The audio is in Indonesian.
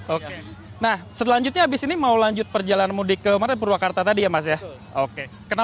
oke nah selanjutnya abis ini mau lanjut perjalanan mudik ke maret purwakarta tadi ya mas ya oke